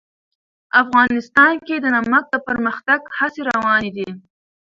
افغانستان کې د نمک د پرمختګ هڅې روانې دي.